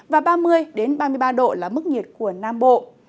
và ba mươi ba mươi ba độ là mức nhiệt của nam bộ